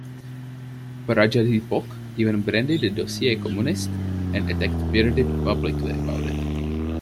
Prajadhipok even branded the dossier "communist" and attacked Pridi publicly about it.